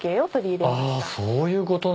あっそういうことなんだ。